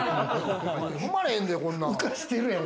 踏まれへんで、こんなん。